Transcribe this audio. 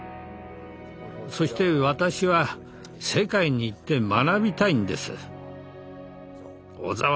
そして私は世界に行って学びたいんです。